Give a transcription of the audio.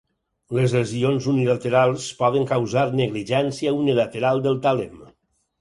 Les lesions unilaterals poden causar negligència unilateral del tàlem.